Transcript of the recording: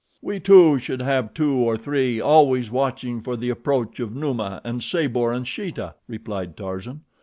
"We, too, should have two or three always watching for the approach of Numa, and Sabor, and Sheeta," replied Tarzan.